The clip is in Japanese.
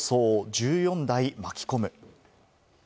１４台巻き込む。